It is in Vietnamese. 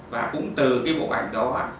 và cũng từ bộ ảnh đó